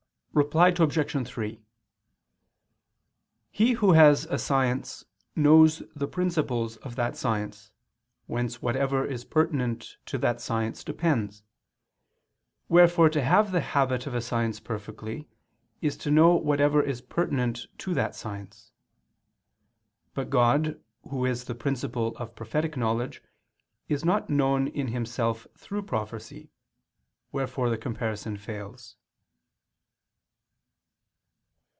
Reply Obj. 3: He who has a science knows the principles of that science, whence whatever is pertinent to that science depends; wherefore to have the habit of a science perfectly, is to know whatever is pertinent to that science. But God Who is the principle of prophetic knowledge is not known in Himself through prophecy; wherefore the comparison fails.